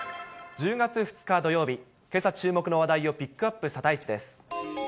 １０月２日土曜日、けさ注目の話題をピックアップサタイチです。